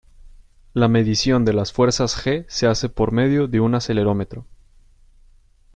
La medición de las fuerzas "g" se hace por medio de un acelerómetro.